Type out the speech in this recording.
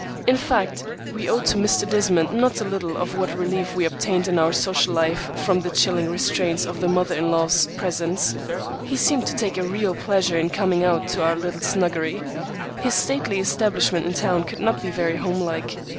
In fact, we owed to Mr. Desmond not a little for what relief we obtained in our social life from the chilling restraints of the mother in law's presence. He seemed to take a real pleasure in coming out to our little snuggery. His stately establishment in town could not be very home like.